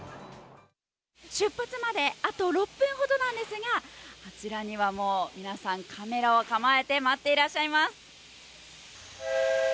出発まで、あと６分ほどなんですが、こちらにはもう、皆さん、カメラを構えて待っていらっしゃいます。